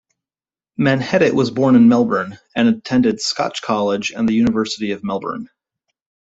Menhennitt was born in Melbourne, and attended Scotch College and the University of Melbourne.